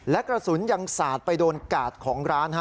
และกระสุนยังสาดไปโดนกาดของร้าน